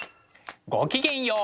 ごきげんよう。